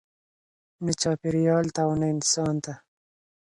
نه چاپیریال ته او نه انسان ته.